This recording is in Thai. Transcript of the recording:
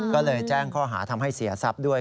ก็เลยแจ้งข้อหาทำให้เสียทรัพย์ด้วย